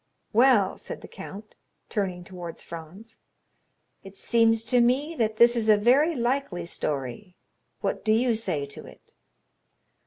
"Well," said the count, turning towards Franz, "it seems to me that this is a very likely story. What do you say to it?"